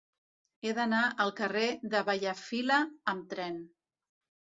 He d'anar al carrer de Bellafila amb tren.